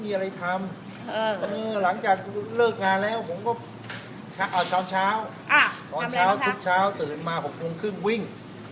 ไม่มีอะไรทำหลังจากเลิกงานแล้วผมก็เช้าตื่นมา๖โมงครึ่งวิ่ง